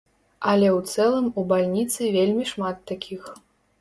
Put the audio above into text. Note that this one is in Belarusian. Але ў цэлым у бальніцы вельмі шмат такіх.